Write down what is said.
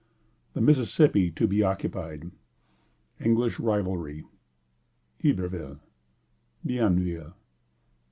The Mississippi to be occupied. English Rivalry. Iberville. Bienville.